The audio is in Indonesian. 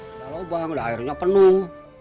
ada lubang ada airnya penuh